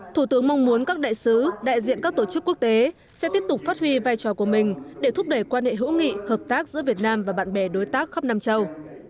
thủ tướng mong muốn các đại sứ đại diện các tổ chức quốc tế sẽ tiếp tục phát huy vai trò của mình để thúc đẩy quan hệ hữu nghị hợp tác giữa việt nam và bạn bè đối tác khắp nam châu